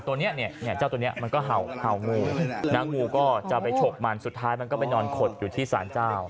ตัวนี้เนี่ยเจ้าตัวนี้มันก็เห่างูนะงูก็จะไปฉกมันสุดท้ายมันก็ไปนอนขดอยู่ที่สารเจ้า